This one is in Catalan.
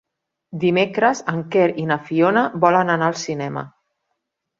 Dimecres en Quer i na Fiona volen anar al cinema.